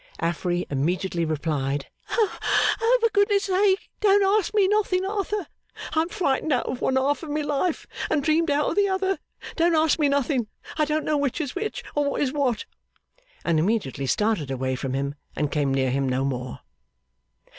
Affery immediately replied, 'For goodness sake don't ask me nothing, Arthur! I am frightened out of one half of my life, and dreamed out of the other. Don't ask me nothing! I don't know which is which, or what is what!' and immediately started away from him, and came near him no more.